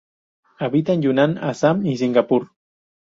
Habita en Yunnan, Assam y Singapur.